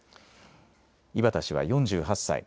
井端氏は４８歳。